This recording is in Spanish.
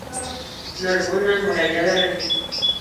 Narbona amurallada resiste.